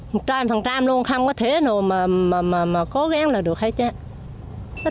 một trăm phần trăm luôn không có thế nào mà cố gắng là được hết chứ